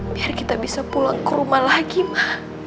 biar kita bisa pulang ke rumah lagi mah